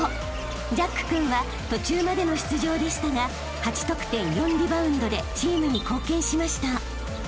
［ジャック君は途中までの出場でしたが８得点４リバウンドでチームに貢献しました］